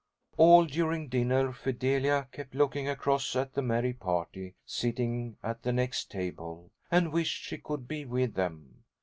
All during dinner Fidelia kept looking across at the merry party sitting at the next table, and wished she could be with them.